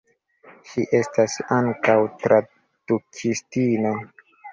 Ŝi estas ankaŭ tradukistino.